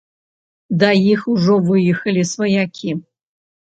Да іх ужо выехалі сваякі.